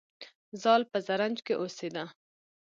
زال په زرنج کې اوسیده